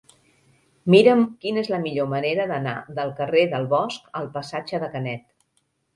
Mira'm quina és la millor manera d'anar del carrer del Bosc al passatge de Canet.